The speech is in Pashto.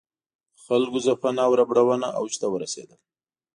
د خلکو ځپنه او ربړونه اوج ته ورسېدل.